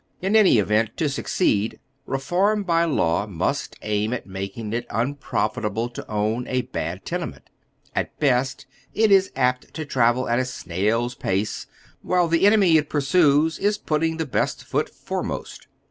In any event, to succeed, reform by law must aim at mak ing it unprofitable to own a bad tenement. At best, it is apt to travel at a snail's pace, while the enemy it pursues is putting the best foot foremost.